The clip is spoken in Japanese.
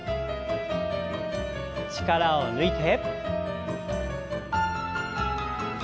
力を抜いて。